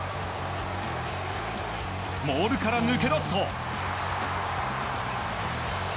モールから抜け出すと。